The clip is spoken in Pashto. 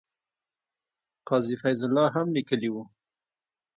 قاضي فیض الله هم لیکلي وو.